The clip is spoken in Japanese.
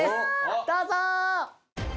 どうぞ！